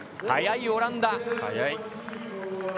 速いオランダ。